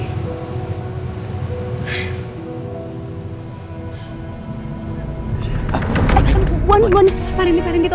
tapi akan saya disialahkan